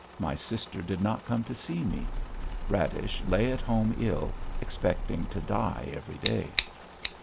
My sister did not come to see me. Radish lay at home ill, expecting to die every day.